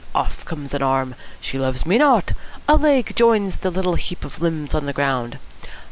Off comes an arm. 'She loves me not.' A leg joins the little heap of limbs on the ground.